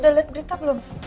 udah liat berita belum